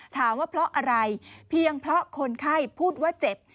ถามว่าเพราะอะไรเพียงเพราะคนไข้พูดว่าเจ็บ